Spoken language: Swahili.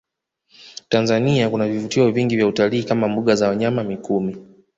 Tanzania kuna vivutio vingi vya utalii kama mbuga za wanyama mikumi